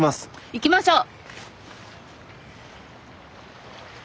行きましょう！